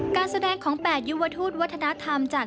ขอบคุณมาก